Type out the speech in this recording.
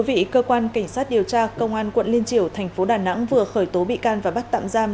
vị cơ quan cảnh sát điều tra công an quận liên triều thành phố đà nẵng vừa khởi tố bị can và bắt tạm giam